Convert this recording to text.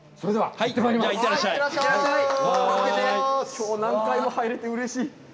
今日何回も入れてうれしい。